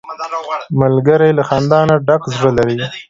ملګری له خندا نه ډک زړه لري